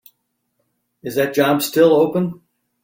Is that job still open?